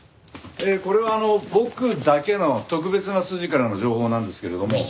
これは僕だけの特別な筋からの情報なんですけれども。